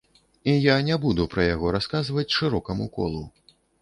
І я не буду пра яго расказваць шырокаму колу.